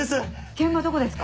現場どこですか？